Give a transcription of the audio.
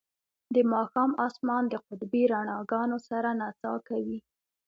د ماښام اسمان د قطبي رڼاګانو سره نڅا کوي